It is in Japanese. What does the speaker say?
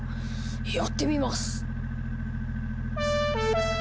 やってみます。